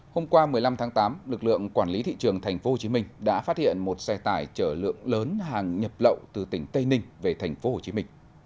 hôm qua một mươi năm tháng tám lực lượng quản lý thị trường tp hcm đã phát hiện một xe tải chở lượng lớn hàng nhập lậu từ tỉnh tây ninh về tp hcm